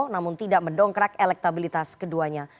namun tidak mendongkrak elektabilitas keduanya